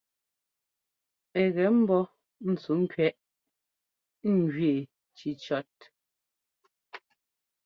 Ɛ gɛ mbɔ́ ntsúkẅiɛʼ njʉɛ́ cícíɔ́t.